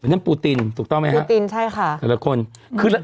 แบรนด์ปูตินถูกต้องไหมครับทุกคนปูตินใช่ค่ะ